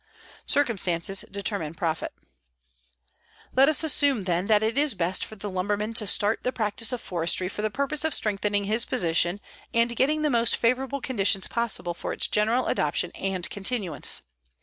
CIRCUMSTANCES DETERMINE PROFIT Let us assume, then, that it is best for the lumberman to start the practice of forestry for the purpose of strengthening his position and getting the most favorable conditions possible for its general adoption and continuance.